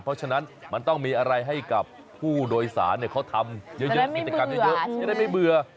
ดังนั้นมันต้องมีอะไรให้กับผู้โดยศาสน์นี่เขาทำเยอะนั้นก็ไม่เบื่อ